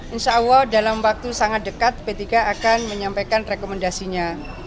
insya allah dalam waktu sangat dekat p tiga akan menyampaikan rekomendasinya